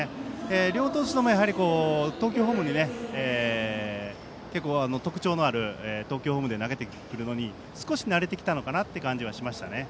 両投手とも結構、特徴のある投球フォームで投げてくるのに少し慣れてきたのかなという感じはしました。